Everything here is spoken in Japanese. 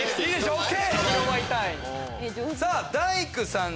ＯＫ！